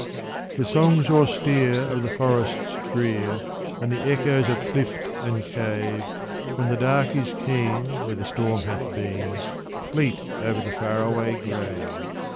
The songs austere of the forests drear, And the echoes of clift and cave, When the dark is keen where the storm hath been, Fleet over the far away grave.